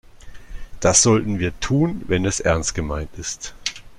Das sollten wir tun, wenn es ernst gemeint ist.